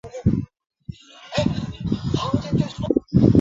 民国三十一年病逝。